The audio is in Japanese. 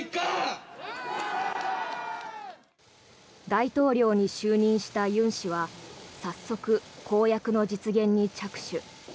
大統領に就任した尹氏は早速、公約の実現に着手。